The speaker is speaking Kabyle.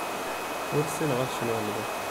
Ur ssinen ad cnun mliḥ.